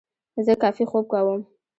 زه کافي خوب کوم.